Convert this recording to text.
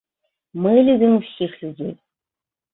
Мы любім усіх людзей.